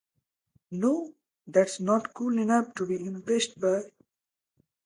No, that's not cool enough to be impressed by.